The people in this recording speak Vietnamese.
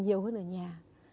nhiều hơn ở nhà